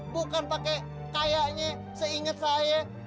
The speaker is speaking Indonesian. bukan pakai kayaknya seingat saya